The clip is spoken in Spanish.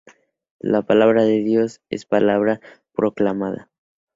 La palabra de Dios es palabra proclamada.